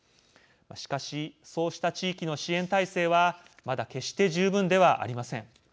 しかしそうした地域の支援体制はまだ決して十分ではありません。